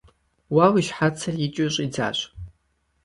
Уэ уи щхьэцыр икӏыу щӏидзащ.